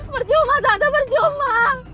berjumah tante berjumah